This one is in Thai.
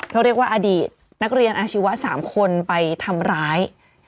เขาเรียกว่าอดีตนักเรียนอาชีวะ๓คนไปทำร้าย